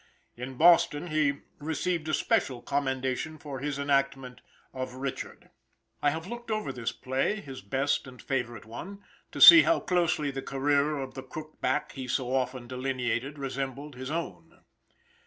In Boston he received especial commendation for his enactment of Richard. I have looked over this play, his best and favorite one, to see how closely the career of the crookback he so often delineated resembled his own.